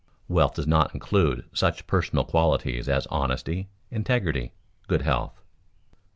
_Wealth does not include such personal qualities as honesty, integrity, good health.